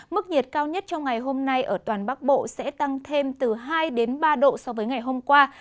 mức nhiệt cao nhất trong ngày hôm nay ở toàn bắc bộ sẽ tăng thêm từ hai đến ba độ so với ngày hôm qua